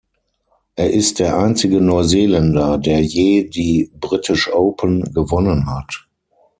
Er ist der einzige Neuseeländer, der je die British Open gewonnen hat.